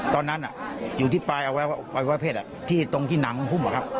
ตอนนั้นอยู่ที่ปลายอวัยวะเพศที่ตรงที่หนำคว่งหุ้มหรือครับ